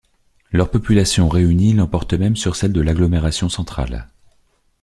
Leur population réunie l'emporte même sur celle de l'agglomération centrale.